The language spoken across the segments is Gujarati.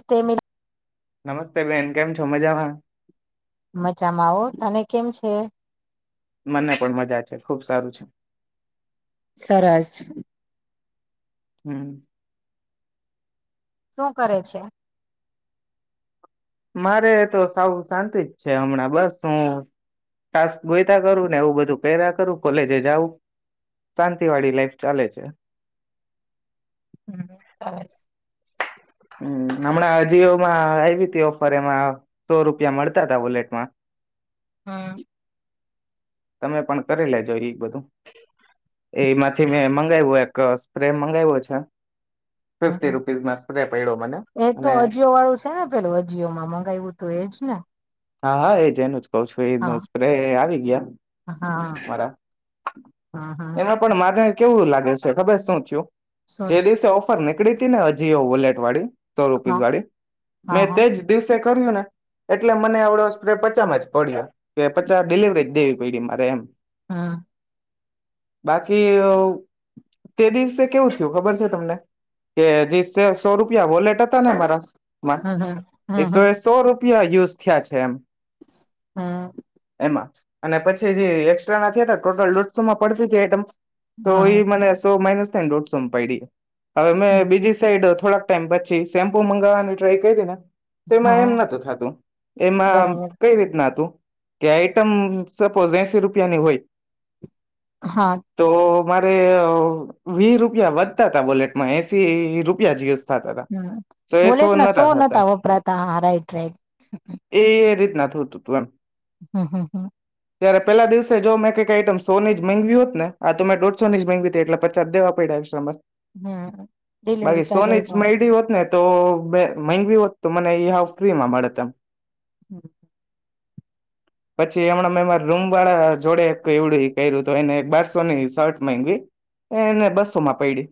સ્તે મેં નમસ્તે બેન. કેમ છો મજામાં? મજામાં હો. તને કેમ છે? મને પણ મજા છે. ખુબ સારું છે. સરસ હમ્મ. શું કરે છે? મારે તો સાવ શાંતિ જ છે હમણાં. બસ હું ટાસ્ક ગોયતા કરું ને એવું બધું પેરા કરું, કોલેજે જાઉં, શાંતિવાળી લાઈફ ચાલે છે. હમ સરસ હમ્મ. હમણાં અજીઓમાં આયવી તી ઓફર એમાં સો રૂપીયા મળતા તા બુલેટમાં. હમ્મ. તમે પણ કરી લેજો ઈ બધું. એ-એમાંથી મેં મંગાયવું એક સ્પ્રે મંગાયવો છે. ફિફ્ટી હમ રૂપીઝમાં સ્પ્રે પડ્યો મને એ તો અને અજીિયો વાળું છે ને પેલું અજીિયો માં મગાવું તો એજ ને હા હા એજ એનું જ ક છું એ ન હા. સ્પ્રે આવી યા હા મારા હા હા એમાં પણ મારે કેવું લાગે છે ખબર શું થયું શું જે છે દિવસે ઓફર ને પનીકડી હતી ને હજીઓ બુલેટ વાળી સો રૂપીસ હા વાળી હા મે હા તે જ દિવસે કર્યું ને એટલે મને આવડો સ્પ્રે પચામાં જ પડ્યો કે પચાસ ડિલવરી દેવી પડી મારે એમ હા બાકી તે દિવસે કેવું થયું ખબર છે તમને કે જે સો રૂપિયા વોલેટ હતા ને મારા હમ હમ. હમ એો સો ર યુઝ થયા છે એમ હા અને પછી જે ોટલટમાં પતીમ તો એ હમ મને સો માઇનસ એ રોટ સોમપાઈડી હવે મેં હમ બીજી સાઈડ હતી થોડાક ટાઈમ પછી સેમ્પુ મંગાવવાની ટ્રાય કરીે ને તો એમાં એમ હા નતું થતું એમાં બરાબર કઈ રીતના હતું કે આઈટમ સપોઝ એસી રૂપ ની હોય હા તો મારે વી રૂપિયા વધતા ત વોલેટમાં એસી રૂપિયા જ થતા હતા હમ સો એ બુલેટના સો થતા નતા વપરાતા હા રાઈટ રાઈટ ના થ હતું તું એમ હમ હા હા તો મે કઈ આઈટમ સો ની જગાવી હોત ને આ તો મેંઢસો ની જગી એટલે પચ દવા પડ્યાર હમ ડેલવરી ચાર્જ આઈપ જ મયડી હોત ને તો બે માઇન્ડ બી હોત તો મને એ હ ફ્રી માં મળે ત હમ પછી હમણાં મે રૂમ વાળા જોડે એક એવડું કર્યું તો એને બારસોની શર્ટ ગવી એને બસો માં પૈડી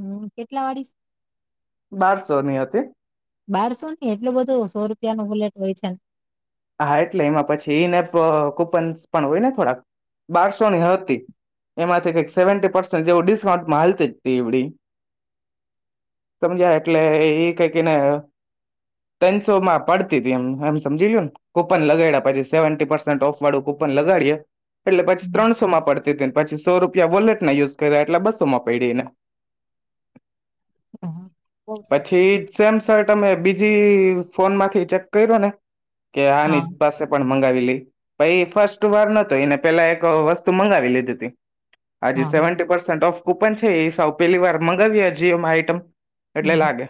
હમ કેટલા વાળીશ બારસો ની હતી બારસો ની એટલું બધું સો રૂપિયા ન બુલેટ હોય છે હા એટલે એમાં પછી નેપ કુપન પણ હોય ને થોડાક બારસોની હતી એમાંથી કઈક સેવન્ટ પસ જેવ ડિસ્કાઉન્ટમાં હાલતી જ એડી સમજ્યા એટલે એ કઈક એને તનસોમાં પડતી હતી એમ એમ સમજી ગય ને કુપન લગા્યા પછી સેવી પસેન્ટ ઓફ વાળું કુપન લગાડીએ એટલે પછી હમ. ત્રણસો માં પડતી હતીને પછી સો રૂપિયા વોલેટ ના યુઝ કર્યા એટલે બસોમાં પડીને હા બહુ સરસ પછી કામ સેમસટ અમે બીજ બીજી ફોન માંથી ચેક કર્યો ને કે આ ની હા પાસે પણ મંગાવી લી પ ફર્સ્ટ વાર નતો એને પેલા એક વસ્તુ મંગાવી લીધી હતી હા સેવન્ટટીસેન્ટ ઓફ કુંપન છે એ સા પેલી વાર મગાવ જમ આઈટમ હમ એટલે હમ. લાગે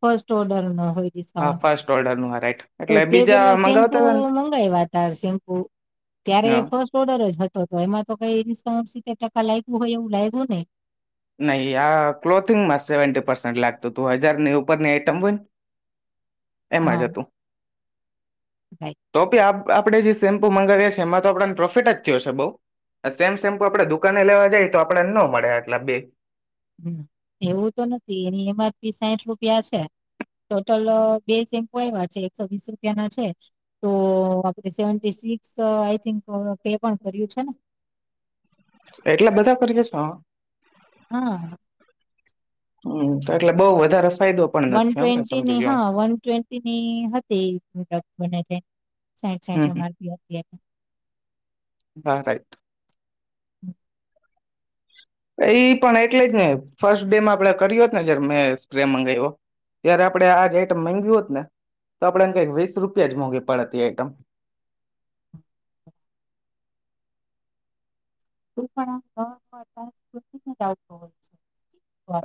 ફર્સ્ટ ઓર્ડર નો હોય હા ડિસ્કાઉન્ટ ફસ્ટ ઓર્ડર નું આ રાઈટ તો એટલે તે બીજા પેલા શેમ્પુ મંગાવતા હતા મંગાવ્યા હતા શેમ્પુ ત્યારે ને હા ફર્સ્ટ ઓર્ડર જ હતો તો એમાં તો કઈ ઇન્ઉન્ રીતે ટકા લાગું હોય એવું લાગવ્યુંું ને નહીં આ ક્લોથિંગમાં સેવન્ટી પસેન્ટ લાગતું તું હજારની ઉપરની આઈટમ હોય ને એમાં હા જ હતું રાઈટ તો કેી આપ આપણે જે સેમ્પુ મંગાવીએ છ છે એમાં તો આપને પ્રોફિટ જ થયો છે બઉ સેમ સેમ્પુ આપડે દુકાને લેવા જાય તો આપડને ન મળે આટલા બે હ એવું તો નથી એની એમ આરપી સાઠ રૂપિયા છે ટોટલ બે સેમ્પો એવા છે એકસો વીસ રૂપિયા ના છે તો આપડ સેવ સિક ને એટલા બધા કરીએ હા હા હમ તો એટલે બઉ વધારે ફાયદો પણ વન નથી એમ ને સમજી ટ્વેન્ટીની ગયો હું હા વન ટ્વેન્ટીની હતી બને છે સાઈડ સાટ હમ હમ મારતી હા રાઈટ હમ એઈ પણ એટલે જ ને ફર્સ્ટ ડેમાં આપણે કર્યોત ને જયારે મેં સ્પ્રે મગાવ્યો તય્યારે આપડે આજ આઈટમ મગી હોત ને તો આપડેને કઈક વીસ રૂપિયા જ મોંઘી પડતી આઈટમ હોય છે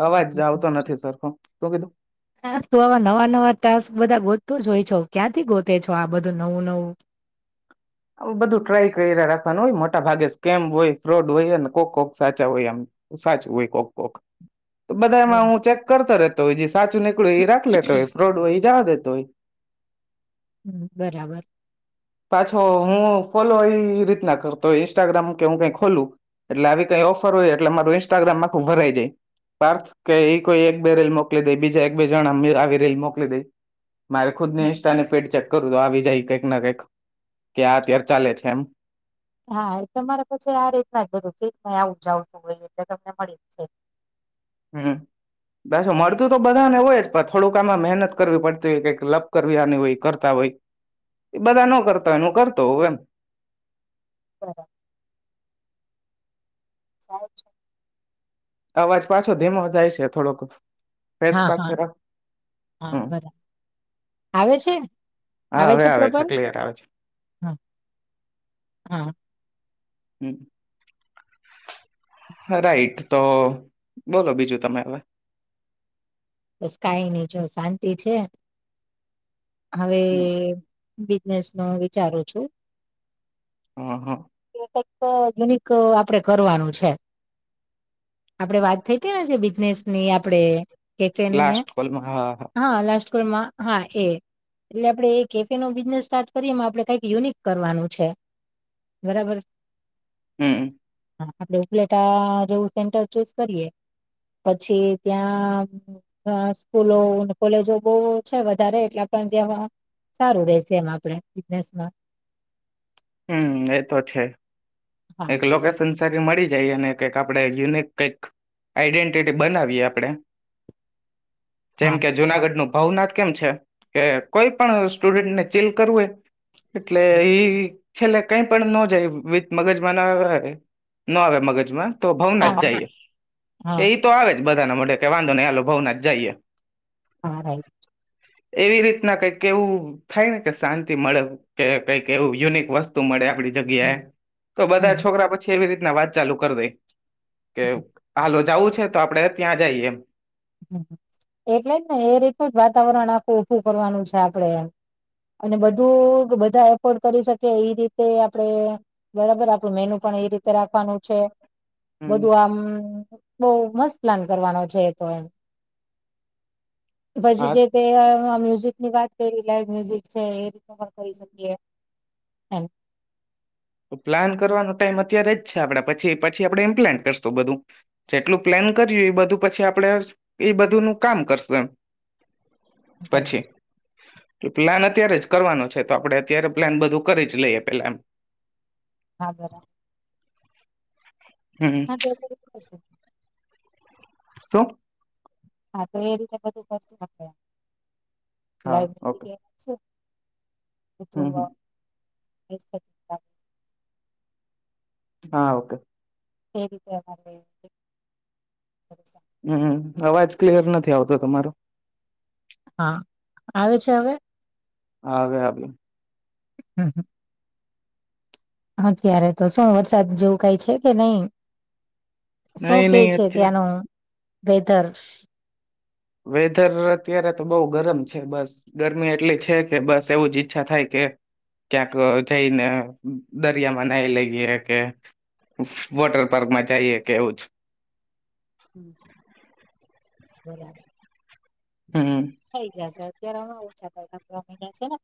અવાજ આવતો નથી સરખો શું કીધું આવા નવા નવા ટાસ્ક બધા તું જોઈ છો ક્યાંથી ગોતે છો આ બધું નવું નવું આવ બધું ટ્રાય કરી રાખવાનું હોય મોટા ભાગે સ્કેમ હોય ફ્રોડ હોય કોક કોક સાચા હોય આમ સાચું હોય કોક કોક તો બધા એમાં બરાબર. હું ચેક કરતો રતો તો સાચું નીકળું એ રાખ લેતો હોય પ્રોડો જા દ તય હમ બરાબર પાછો હું ફોલો એ રીતના કરતો ઈન્સ્ટાગ્રામ કે હું કઈ ખોલું એટલે આવી કઈ ઓફર હોય એટલે મારું ઈન્સ્ટાગ્રામ આખું ભરાઈ જાય પાર્થ કે એ કોઈ એક બે રીલ મોકલી દે બીજા એક બે જણા આવી રીલ મોકલી દે મારે ખુદ નેષઠ અને પેટ ચક કરું તો આવી જાય કંઈક ના કંઈક કે આ અત્યારે ચાલે છે એમ હા એલે મારે પછી આ રીતના જ બધું ક ન આવુંજાવતું હોય એટલે તમને મળી જ છે હમ દછો મળતું તો બધાને હોય જ પણ થોડુંક આમાં મહેનત કરવી પડતી હોય કઈક લપ કરની હોય કરતા હોય એ બધા ન કરતા હોય ન કરતો હો એમ હા સહે છે અવાજ પાછો ધીમો જાય છે થોડોક ફેસ હા પાસે હા રાખ હા હમ બરાબર આવે છે હા આવે હવે છે પ્રોપર ક્લિયર આવે છે હા હા હમ રાઈટ તો બોલો બીજું તમે હવે તો સ્કાય ની જો શાંતિ છે હવે બિઝનેસ નો વિચારું છું હ હા નિક આપડે કરવાનું છે આપડણે વાત થઈ હતી ને જે બિઝનેસની આપડે લાસ્ટ કોલમાં હા હા રાજકોટમાં હા એ એટલે આપડે એ કેફે નો બિઝનેસ સ્ટાર્ટ કરીએ આપડે કઈક યુનિક કરવાનું છે બરાબર હમ હા આપડે ઉપલેટા જેવું સેન્ટર ચૂઝ કરીએ પછી ત્યાં [unintelligible] સ્કૂલો કોલેજો બહ છે વધારે એટલા પણ ત્યાં સારું રેશે એમ આપડે બગનેસમાં હમ એ તો છે હા એક લોકેશન મળી જઈ અને કક આપણેે યુનિક કઈક આઈડેન્ટિટી બનાવીએ આપણેે જેમ હા કે જુનાગઢ નું ભાવનાથ કેમ છે કે કોઈ પણ સ્ટુડન્ટને ચીલ કરવું એ એટલે એ છેલ્લે કઈ પણ ન જાય મગજમાં ના આવે ન આવે મગજમાં તો ભઉાવ ના જ જઈએ હા એ તો આવે જ બધાના માટે કે વાંધો નહી આાલો ભાવ ના જઈએ હા રાઈટ એવી રીતના કંઈક એવું થાય ને કે શાંતિ મળે કે કઈક એવું યુનિક વસ્તુ મળે આપડી જગ્યા હમ તો હમ બધા છોકરા પછી રીતના અવાજ ચાલુ કરી દે. કે હાલ જાવું છે. તો આપણેે ત્યાં જઈએ. એટલે જ ને એ રીતનું જ વાતાવરણ આખું ભું કરવાનું છે આપડે અને બધું બધા એફોર્ડ કરી શકીએ એ રીતે આપડે બરાબર આપણું મેનુ પણ એ રીતે રાખવાનું છે. હમ બધું આમ બહ મસ્ત પ્લાન કરવાનો છે. તો. ભજી હા જે તે હ આ મ્યુઝિક ની વાત કરી લાઈવ મ્યુઝિક છે. સફર કરી શકીએ. [inaudible] પ્લાન કરવાનો ટાઈમ અત્યારે જ છે આપણે પછી પછી આપડણે ઇમ્પ્લાન કરશું બધું જેટલું પ્લાન કર્યું એ બધું પછી આપણે એ બધું નું કામ કરશું એ. થાય પછે. પ્લાન અત્યારે જ કરવાનો છે તો આપડે અત્યારે પ્લાન બધું કરી જ લઈએ પેલા એમ. હા બરા. હમ હાશે. શું. હા તો એ રીતે બધું કરચું. [inaudible] હા ઓકે હમ હમ [unintelligible] એ. હા ઓકે. તેરીવા લ. હમ્મ. અવાજ ક્લિયર નથી આવતો તમારો. હા આવે છે હવે. હાવે હ ભી. હમ્મ હ. હાત્યારે તો શું વરસાદ જેવું કઈ છે કે નહી. શું નહી કે નહી છે અત્યારે ત્યાંનું. વેદર. વેધર અત્યારે તો બહુ ગરમ છે બસ ગરમી એટલી છે કે બસ એવું જ ઈચ્છા થાય કે ક્યાંક જઈને દરિયામાં નાઈ લઈએ કે વોટર પાર્કમાં જઈએ કે એવું જ. હમ્મ. બરા. હમ થઈ જશે અત્યારે હ. છેને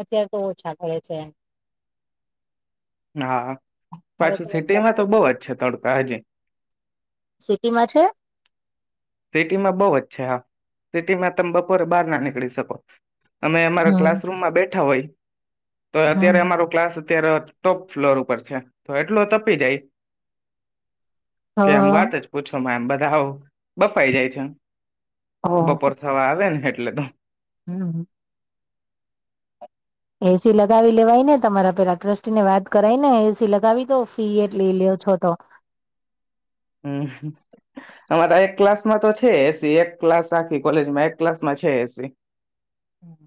અત્યારે તો ઓછા કરે છે. હા હવે તો પાછું વરસાદ સિટીમાં તો બઉ જ છે તડકા હજી. સિટીમાં છે? સિટીમાં બહ જ છે હા સિટીમાં તમે બપોરે બહાર ના નીકળી શકો અમે અમારા હમ ક્લાસરૂમમાં બેઠા હોય [unintelligible] તો હમ અત્યારે અમારો ક્લાસ અત્યાર ટોપ ફ્લોર ઉપર છે તો એટલો તપી જાય હ હ કે એમ વાત જ પૂછો મા બધા હો બફાઈ જાય છે બપોર થવા આવે એટ એટલે તો હમ્મ એસી લગાવી લેવાય ને તમારા પેલા ટ્રસ્ટી ને વાત કરાય ને એસી લગાવી દો પી એટ લઈ લે્યો છો તો હમ્મ અમારા એક ક્લાસમાં તો છે એસી એક ક્લાસ આખી કોલેજમાં એક ક્લાસમાં છે એસી હમ્મ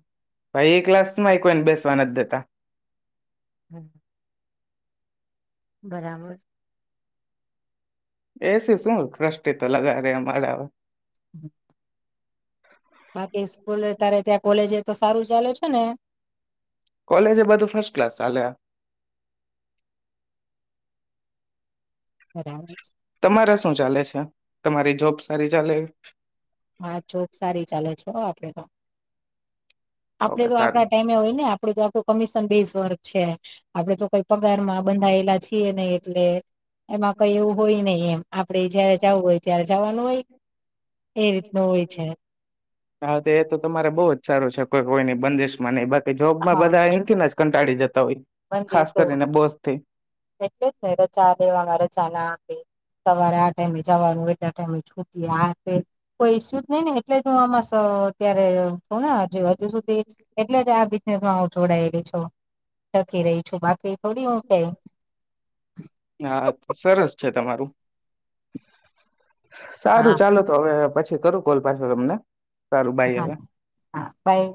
ભાઈ એ ક્લાસમાં ય કોઈને બેસવા નથ દેતા. હમ્મ બરાબર એસી શું ક્રષ્ટિ તો લગા રે અમારા હમ્મ છેને કોલેજ એ બધું ફસ્ટ ક્લાસ ચાલ્યા. બરાબર તમારા શું ચાલે છે? તમારી જોબ સારી ચાલે? હા જોબ સારી ચાલે છે વો આપડે તો. આપડે ઓકે તો સારું આપણા ટાઈમે હોય ને આપ આપડુ તો આખું કમિશન બેઝ વર્ક છે આપડે તો કોઈ પગારમાં બંધાયેલા છીએ નહી એટલે એમાં કઈ એવું હોય નહિ એમ આપડે જયારે જાવું હોય ત્યારે જવાનું હોય એ રીતનું હોય છે હા તો એ તો તમારે બહ જ સારું છે. કોઈ કોઈ ની બંદીશમાં નઈ [unintelligible] કે જોબમાં બધા અહીં થીન જ કંટાળી જતા હોય. ખાસ બંદીસો કરીને બોસ થી એટલેજ ને રજા દેવામાં રજ [unintelligible] ના આપે સવારે આ ટાઈમે જવાનું એટલા ટાઈમે છૂટીયે આ તે કોઈ ઈશુ જ નહી ને એટલે તો હું આમાં સ અત્યારે છું ને હજ હજુ સુધી એટલે જ આ બિઝનેસમાં હ જોડાયેલી છું. ટકી રહી છું બાકી થોડી હું કઈ હા સરસ છે તમારું હા સારું ચાલો તો હવે પછી કરું કોલ પાછો તમને સારું બાય હા હવે હા પાઈ